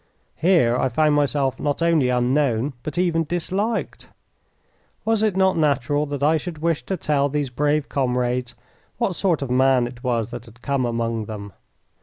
Here I found myself not only unknown, but even disliked. Was it not natural that I should wish to tell these brave comrades what sort of man it was that had come among them?